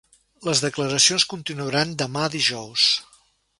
Les declaracions continuaran demà, dijous.